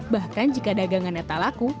bahkan jika dagangan neta laku